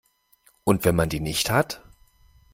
Und wenn man die nicht hat?